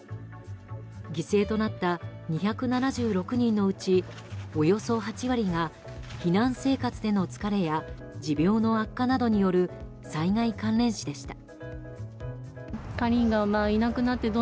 犠牲となった２７６人のうちおよそ８割が避難生活での疲れや持病の悪化などによる災害関連死でした。